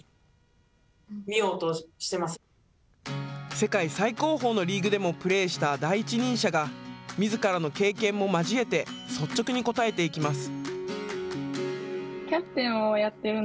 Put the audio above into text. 世界最高峰のリーグでもプレーした第一人者がみずからの経験も交えて率直に答えていきます。